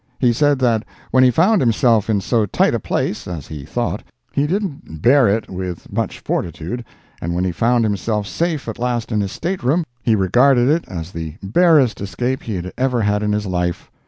He said that when he found himself in so tight a place (as he thought) he didn't bear it with much fortitude, and when he found himself safe at last in his state room, he regarded it as the bearest escape he had ever had in his life.